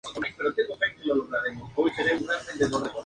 Al día siguiente, los refugiados salieron del edificio.